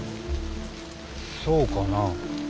そうかなあ？